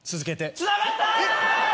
つながった！